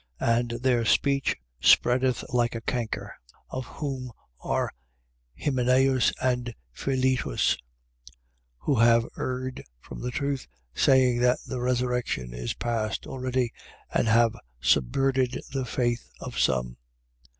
2:17. And their speech spreadeth like a canker: of whom are Hymeneus and Philetus: 2:18. Who have erred from the truth, saying that the resurrection is past already, and have subverted the faith of some.